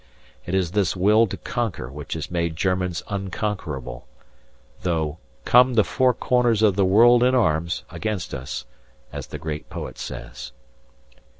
It is this will to conquer which has made Germans unconquerable, though "Come the four corners of the world in arms" against us, as the great poet says.